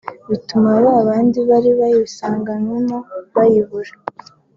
bituma ba bandi bari bayisanganywemo bayibura